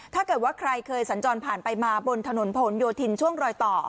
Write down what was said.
ถ้าเกิดว่าใครเคยสัญจรผ่านไปมาบนถนนผลโยธินช่วงรอยต่อ